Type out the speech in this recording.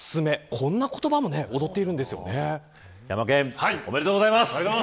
こんな言葉もヤマケンおめでとうございます。